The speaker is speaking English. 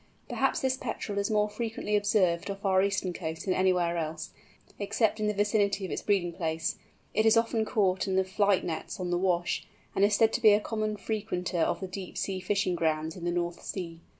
Perhaps this Petrel is more frequently observed off our eastern coasts than anywhere else, except in the vicinity of its breeding place; it is often caught in the flight nets on the Wash, and is said to be a common frequenter of the deep sea fishing grounds in the North Sea.